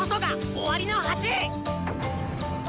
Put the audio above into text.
「終わりの鉢」！